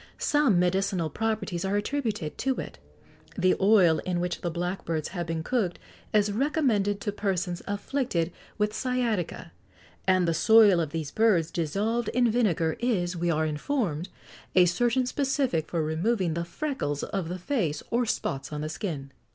Some medicinal properties are attributed to it; the oil in which the blackbirds have been cooked is recommended to persons afflicted with sciatica: and the soil of these birds, dissolved in vinegar, is, we are informed, a certain specific for removing the freckles of the face or spots on the skin."